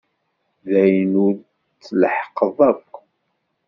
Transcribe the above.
D ayen ur tleḥḥqeḍ akk.